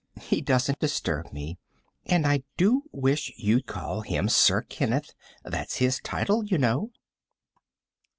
"He doesn't disturb me. And I do wish you'd call him Sir Kenneth. That's his title, you know."